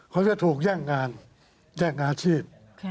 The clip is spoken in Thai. เขาจะถูกแย่งงานแย่งอาชีพ